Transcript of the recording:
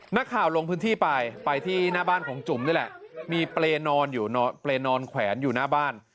นักข่าวลงพื้นที่ไปไปที่หน้าบ้านของจุ๋มนี่แหละมีเปรย์นอนอยู่นอนเปรย์นอนแขวนอยู่หน้าบ้าน